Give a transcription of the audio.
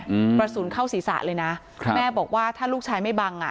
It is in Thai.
อืมกระสุนเข้าศีรษะเลยนะครับแม่บอกว่าถ้าลูกชายไม่บังอ่ะ